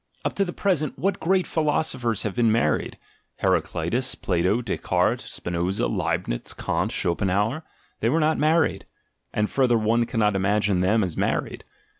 Up to the present what great philosophers have been married? Heracleitus, Plato, Descartes, Spinoza, Leibnitz, Kant, Schopenhauer — they were not married, and, further, one cannot imagine them as married.